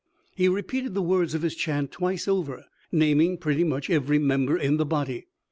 He repeated the words of his chant twice over, naming pretty much every member in the body.